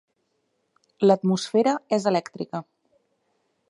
L"atmosfera és elèctrica.